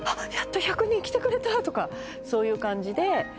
やっと１００人きてくれたとかそういう感じで。